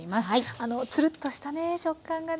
あのつるっとしたね食感がね